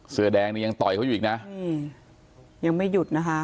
เสื้อแดงนี่ยังต่อยเขาอีกนะอืมยังไม่หยุดนะคะ